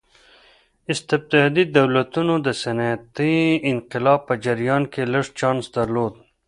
استبدادي دولتونو د صنعتي انقلاب په جریان کې لږ چانس درلود.